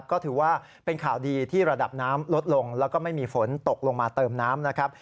ก็ถือว่าเป็นข่าวดีที่ระดับน้ำลดลงแล้วก็ไม่มีฝนตกลงมาเติมน้ำนะครับ